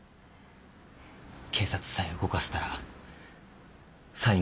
警察さえ動かせたらサイ